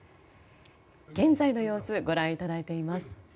現在の様子ご覧いただいています。